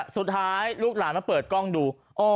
สุดท้ายลูกหลานมาเปิดกล้องดู